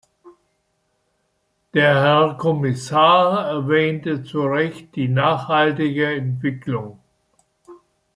Der Herr Kommissar erwähnte zurecht die nachhaltige Entwicklung.